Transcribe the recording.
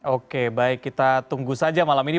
oke baik kita tunggu saja malam ini